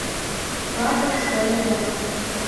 ПАТЫР ШОЛЬО-ВЛАК